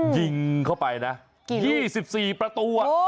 ยิงเข้าไปนะยี่สิบสี่ประตู